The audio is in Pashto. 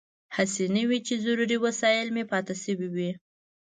هسې نه وي چې ضروري وسایل مې پاتې شوي وي.